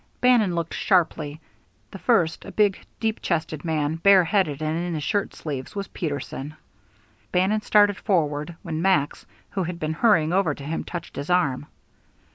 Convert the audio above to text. Bannon looked sharply; the first, a big, deep chested man, bare headed and in his shirt sleeves, was Peterson. Bannon started forward, when Max, who had been hurrying over to him, touched his arm.